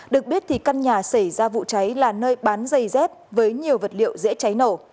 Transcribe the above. được biết thì căn nhà xảy ra vụ cháy là nơi bán giày dép với nhiều vật liệu dễ cháy nổ